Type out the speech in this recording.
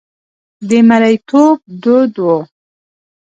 د مریتوب دود و.